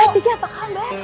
cici apa kabar